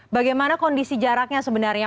bagaimana kondisi jaraknya sebenarnya